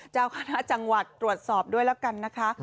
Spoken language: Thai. เจ้าคณะจังหวัดตรวจสอบด้วยแล้วกันนะคะ